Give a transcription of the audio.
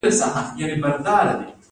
د کندهار په شورابک کې د مرمرو نښې شته.